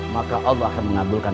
maka allah akan mengabulkan